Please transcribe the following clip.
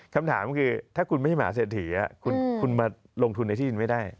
คำถามก็คือถ้าคุณไม่ใช่มหาเศรษฐีคุณมาลงทุนในที่ดินไม่ได้